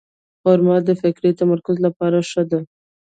خرما د فکري تمرکز لپاره ښه ده.